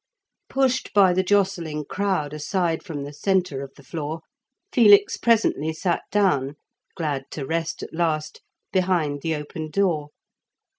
Pushed by the jostling crowd aside from the centre of the floor, Felix presently sat down, glad to rest at last, behind the open door.